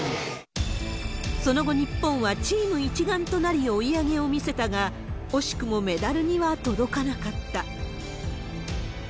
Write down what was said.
その後、日本はチーム一丸となり追い上げを見せたが、惜しくもメダルには届かなかった。